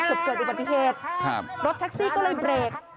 เกือบเกิดอุบัติเหตุรถแท็กซี่ก็เลยเบรก